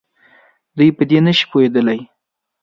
دی په دې نه شي پوهېدلی.